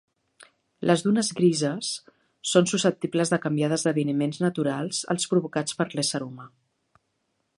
Les dunes grises són susceptibles de canviar d'esdeveniments naturals als provocats per l'ésser humà.